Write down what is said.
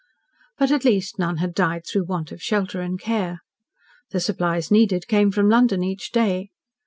But, at least, none had died through want of shelter and care. The supplies needed came from London each day.